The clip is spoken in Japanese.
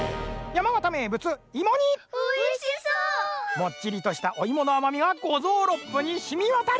もっちりとしたおいものあまみがごぞうろっぷにしみわたる。